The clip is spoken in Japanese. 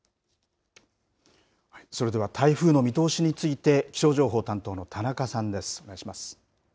それでは、台風の見通しについて、気象情報担当の田中さんです、お願いします。